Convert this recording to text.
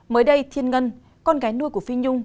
mới đây thiên ngân con gái nuôi của phi nhung